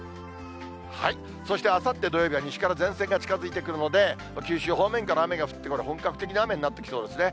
そしてあさって土曜日は、西から前線が近づいてくるので、九州方面から雨が降って、本格的な雨になってきそうですね。